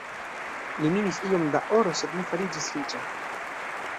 Li minis iom da oro sed ne fariĝis riĉa.